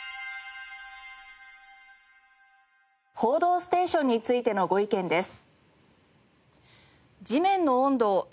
『報道ステーション』についてのご意見です。